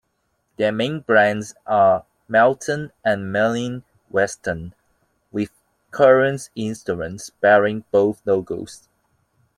Their main brands are Melton and Meinl Weston, with current instruments bearing both logos.